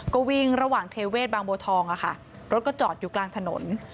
ก็วิ่งระหว่างเทเวศบางโบทองรถก็จอดอยู่กลางถนน